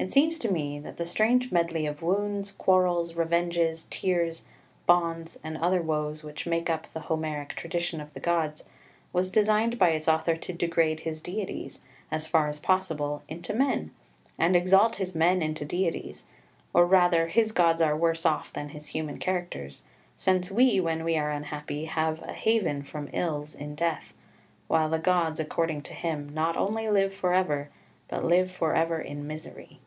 It seems to me that the strange medley of wounds, quarrels, revenges, tears, bonds, and other woes which makes up the Homeric tradition of the gods was designed by its author to degrade his deities, as far as possible, into men, and exalt his men into deities or rather, his gods are worse off than his human characters, since we, when we are unhappy, have a haven from ills in death, while the gods, according to him, not only live for ever, but live for ever in misery.